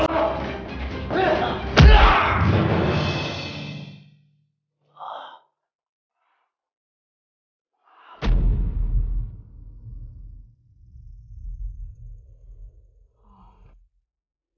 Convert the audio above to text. jadi anda yang minta saya ke sini